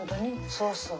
そうそう。